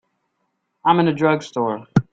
I'm in a drugstore.